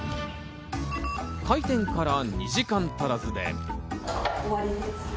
開店から２時間足らずで。